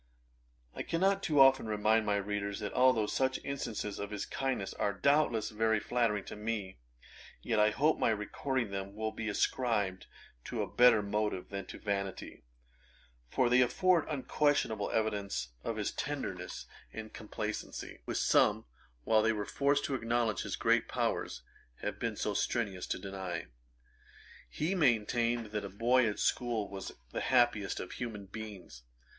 I cannot too often remind my readers, that although such instances of his kindness are doubtless very flattering to me, yet I hope my recording them will be ascribed to a better motive than to vanity; for they afford unquestionable evidence of his tenderness and complacency, which some, while they were forced to acknowledge his great powers, have been so strenuous to deny. He maintained that a boy at school was the happiest of human beings.